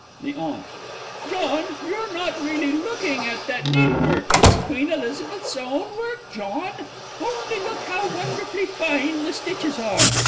THE AUNT. John, you're not really looking at that needlework it's Queen Elizabeth's own work, John. Only look how wonderfully fine the stitches are.